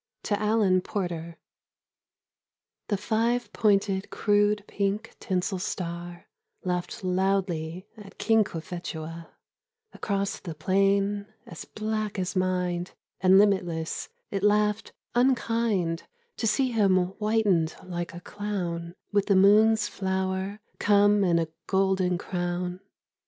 ; To Alan Porter. i HE five pointed crude pink tinsel star '' Laughed loudly at King Cophetua ; Across the plain as black as mind And limitless, it laughed unkind To see him whitened like a clown With the moon's flour, come in a golden crown.